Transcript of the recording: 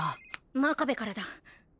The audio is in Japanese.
真壁からだ。